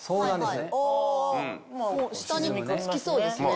お下につきそうですね。